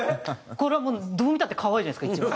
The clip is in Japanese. これはもうどう見たって可愛いじゃないですか一番。